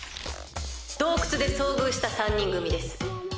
洞窟で遭遇した３人組です。